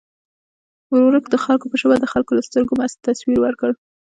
ورورک د خلکو په ژبه د خلکو له سترګو تصویر ورکړ.